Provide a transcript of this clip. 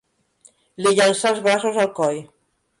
Li llançà els braços al coll.